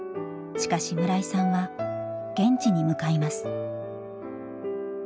しかし村井さんは現地に向かいます。